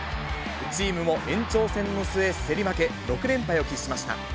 チームも延長戦の末、競り負け、６連敗を喫しました。